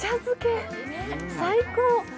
漬け、最高。